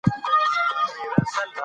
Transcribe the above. خدمت د خلکو د اړتیاوو پوره کولو لپاره دی.